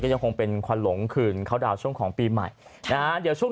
ก็จะคงเป็นควันหลงคืนเข้าดาวน์ช่วงของปีใหม่นะเดี๋ยว